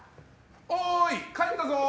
おーい、帰ったぞ！